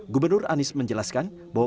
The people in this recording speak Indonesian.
gubernur anies menjelaskan bahwa